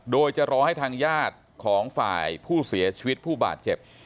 โดยจะรอให้ทางญาติของฝ่ายผู้เสียชีวิตผู้บาดเจ็บ